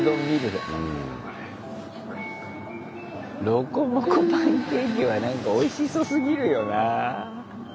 ロコモコパンケーキはなんかおいしそすぎるよなぁ。